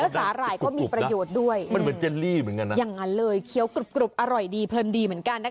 สาหร่ายก็มีประโยชน์ด้วยอย่างงั้นเลยเคี้ยวกรูปกรูปอร่อยดีเพิ่มดีเหมือนกันนะคะ